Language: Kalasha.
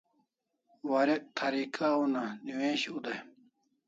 Warek tharika una newishiu dai